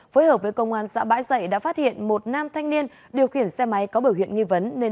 phối hợp với công an xã bãi dậy đã phát hiện một nam thanh niên điều khiển xe máy có biểu hiện nghi vấn